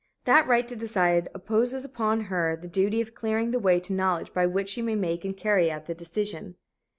That right to decide imposes upon her the duty of clearing the way to knowledge by which she may make and carry out the decision.